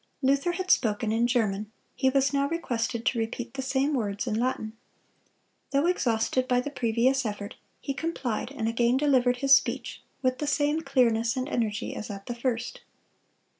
"(220) Luther had spoken in German; he was now requested to repeat the same words in Latin. Though exhausted by the previous effort, he complied, and again delivered his speech, with the same clearness and energy as at the first.